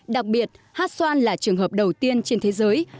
đặc biệt hát xoan là trường hợp đầu tiên trên thế giới